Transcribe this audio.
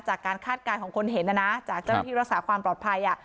คาดการณ์ของคนเห็นนะนะจากเจ้าหน้าที่รักษาความปลอดภัย